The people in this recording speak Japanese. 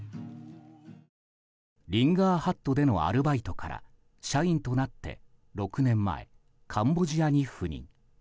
リンガーハットでのアルバイトから社員となって６年前、カンボジアに赴任。